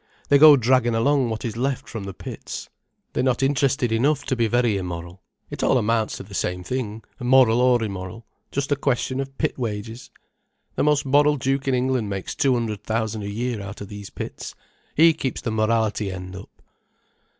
They go dragging along what is left from the pits. They're not interested enough to be very immoral—it all amounts to the same thing, moral or immoral—just a question of pit wages. The most moral duke in England makes two hundred thousand a year out of these pits. He keeps the morality end up."